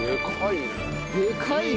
でかいね。